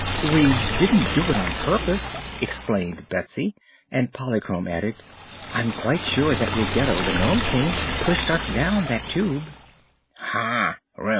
"We didn't do it on purpose," explained Betsy, and Polychrome added: "I am quite sure that Ruggedo, the Nome King, pushed us down that Tube." "Ha!